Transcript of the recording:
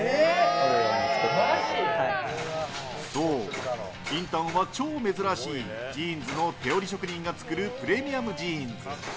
そう、金丹は超珍しいジーンズの手織り職人が作るプレミアムジーンズ。